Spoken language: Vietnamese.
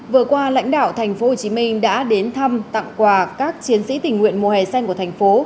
vừa qua lãnh đạo tp hcm đã đến thăm tặng quà các chiến sĩ tình nguyện mùa hè xanh của thành phố